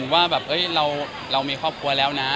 ว่าแบบเรามีครอบครัวแล้วนะ